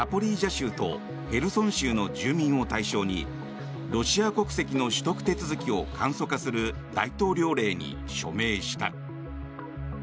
州とヘルソン州の住民を対象にロシア国籍の取得手続きを簡素化する大統領令に署名した。